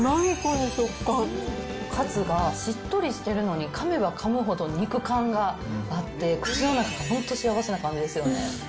カツがしっとりしてるのに、かめばかむほど肉感があって、口の中が本当に幸せな感じですよね。